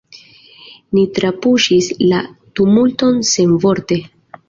Ni trapuŝis la tumulton senvorte.